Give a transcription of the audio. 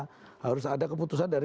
harus ada keputusan dari